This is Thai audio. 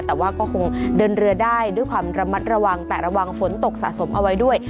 แต่ว่าก็คงเดินเรือได้ด้วยความระมัดระวังแต่ระวังฝนตกสะสมเอาไว้ด้วย